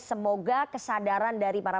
semoga kesadaran dari para